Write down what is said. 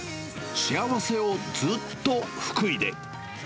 幸せを、ずっと福井で。